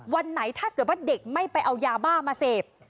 วันไหนถ้าเกิดว่าเด็กไม่ไปเอายาบ้ามาเสพ